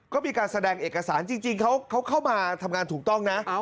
ก็มีการแสดงเอกสารจริงเขาเข้ามาทำงานถูกต้องนะ